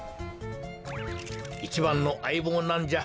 いちばんのあいぼうなんじゃ。